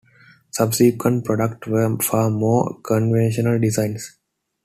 Subsequent products were far more conventional designs.